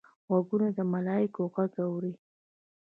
غوږونه د ملایکې غږ اوري